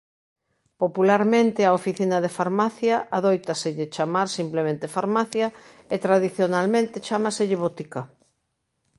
Popularmente á oficina de farmacia adóitaselle chamar simplemente farmacia e tradicionalmente chámaselle "botica".